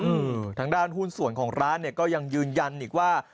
อืมทางด้านหุ้นส่วนของร้านเนี่ยก็ยังยืนยันอีกว่า